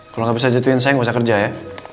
kalau nggak bisa jatuhin saya nggak usah kerja ya